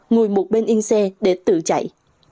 ngồi một bên yên xe để tự chạy